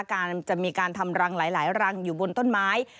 จะมีการทำรังหลายรังอยู่บนต้นไม้